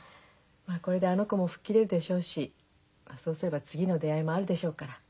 これであの子も吹っ切れるでしょうしそうすれば次の出会いもあるでしょうから。